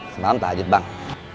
semalam tahajud bang